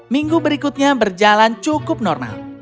minggu berikutnya berjalan cukup normal